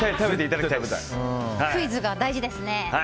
クイズが大事ですね。